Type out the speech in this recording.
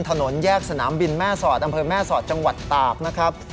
ถนนแยกสนามบินแม่สอดอำเภอแม่สอดจังหวัดตากนะครับ